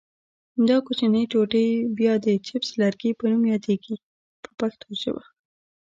دا کوچنۍ ټوټې بیا د چپس لرګي په نوم یادیږي په پښتو ژبه.